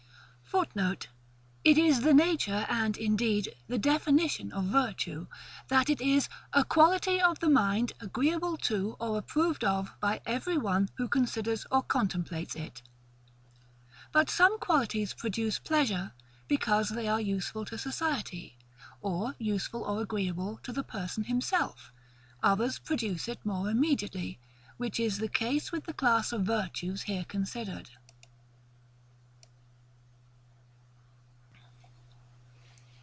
[Footnote: It is the nature and, indeed, the definition of virtue, that it is A QUALITY OF THE MIND AGREEABLE TO OR APPROVED OF BY EVERY ONE WHO CONSIDERS OR CONTEMPLATES IT. But some qualities produce pleasure, because they are useful to society, or useful or agreeable to the person himself; others produce it more immediately, which is the case with the class of virtues here considered.